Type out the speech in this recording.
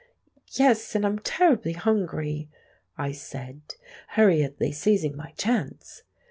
"Yes; and I'm terribly hungry," I said, hurriedly seizing my chance.